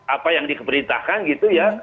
apa yang diperintahkan gitu ya